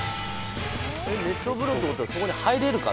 熱湯風呂ってことはそこに入れるかってこと？